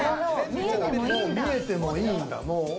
見えてもいいんだ。